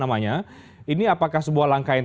namanya ini apakah sebuah langkah yang